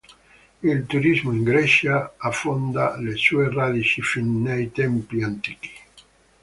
Il turismo in Grecia affonda le sue radici fin nei tempi antichi.